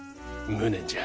無念じゃ！